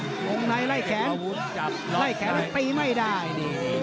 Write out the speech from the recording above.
งงไน้ไล่แขนไล่แขนน่าตีไม่ได้